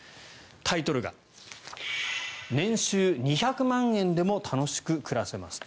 タイトルが「年収２００万円でもたのしく暮らせます」。